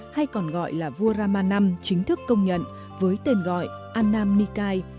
hay còn gọi là vua rama v chính thức công nhận với tên gọi annam nikai